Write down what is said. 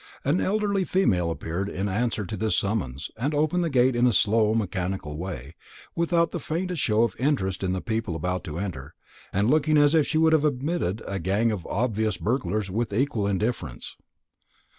An elderly female appeared in answer to this summons, and opened the gate in a slow mechanical way, without the faintest show of interest in the people about to enter, and looking as if she would have admitted a gang of obvious burglars with equal indifference.